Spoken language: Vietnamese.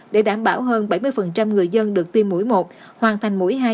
để đảm bảo hơn bảy mươi người dân được tiêm mũi một hoàn thành mũi hai